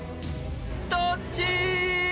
どっち？